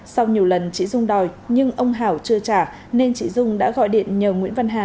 sau nhiều lần chị dung đòi nhưng ông hảo chưa trả nên chị dung đã gọi điện nhờ nguyễn văn hà